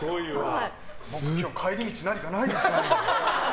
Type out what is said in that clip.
今日、帰り道何かないですかね？